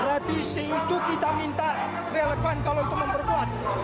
revisi itu kita minta relevan kalau untuk memperkuat